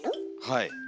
はい。